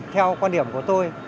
theo quan điểm của tôi